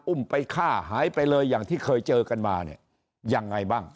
ไปฆ่าหายไปเลยอย่างที่เคยเจอกันมาเนี่ยยังไงบ้าง